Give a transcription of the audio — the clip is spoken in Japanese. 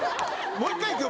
もう１回いくよ。